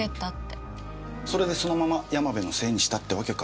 それでそのまま山部のせいにしたってわけか。